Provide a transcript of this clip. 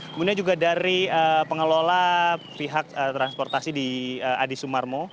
kemudian juga dari pengelola pihak transportasi di adi sumarmo